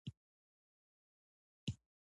آهنګر وويل: غله دي!